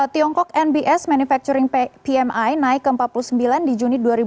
tiongkok nbs manufacturing pmi naik ke empat puluh sembilan di juni dua ribu dua puluh tiga dari empat puluh delapan dua